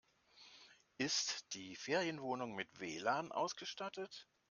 Ist die Ferienwohnung mit WLAN ausgestattet?